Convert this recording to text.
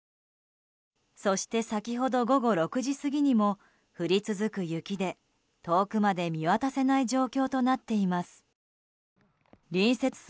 そして、先ほど午後６時過ぎにも降り続く雪で、遠くまで見渡せない状況となっています。